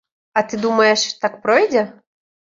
А ты думаеш, так пройдзе?